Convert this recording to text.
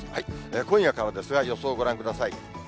今夜からですが、予想をご覧ください。